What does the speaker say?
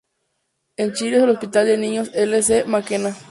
En Chile en el Hospital de Niños L. C. Mackenna.